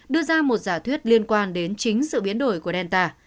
đưa ra một giả thuyết liên quan đến chính sự biến đổi của delta